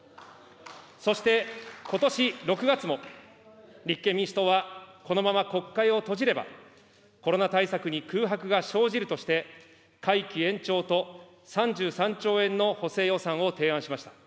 そして、ことし６月も、立憲民主党はこのまま国会を閉じれば、コロナ対策に空白が生じるとして、会期延長と３３兆円の補正予算を提案しました。